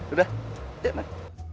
udah ya mas